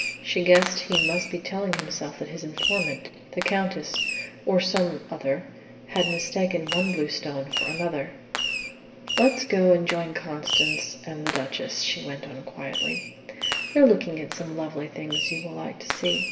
She guessed he must be telling himself that his informant the Countess, or some other had mistaken one blue stone for another. "Let's go and join Constance and the Duchess," she went on, quietly. "They're looking at some lovely things you will like to see.